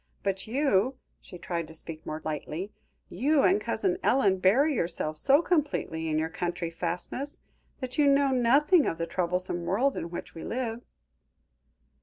But you," she tried to speak more lightly, "you and Cousin Ellen bury yourselves so completely in your country fastness, that you know nothing of the troublesome world in which we live."